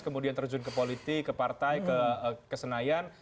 kemudian terjun ke politik ke partai ke senayan